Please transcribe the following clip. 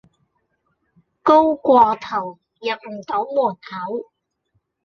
高過頭入唔到門口